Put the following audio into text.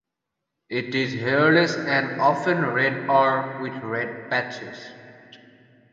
It is hairless and often red or with red patches.